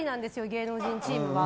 芸能人チームは。